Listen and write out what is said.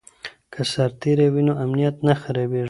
که سرتیری وي نو امنیت نه خرابېږي.